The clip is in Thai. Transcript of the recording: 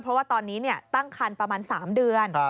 เพราะว่าตอนนี้ตั้งคันประมาณ๓เดือน